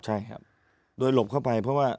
ใช่ครับโดยหลบเข้าไปเพราะว่า